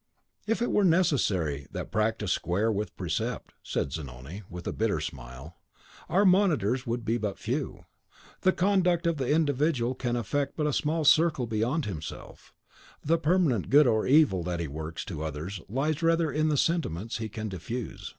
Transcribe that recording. "If it were necessary that practice square with precept," said Zanoni, with a bitter smile, "our monitors would be but few. The conduct of the individual can affect but a small circle beyond himself; the permanent good or evil that he works to others lies rather in the sentiments he can diffuse.